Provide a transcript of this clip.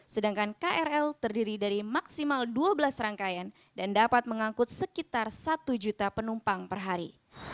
sedangkan krl terdiri dari maksimal dua belas rangkaian dan dapat mengangkut sekitar satu juta penumpang per hari